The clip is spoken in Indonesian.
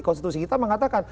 konstitusi kita mengatakan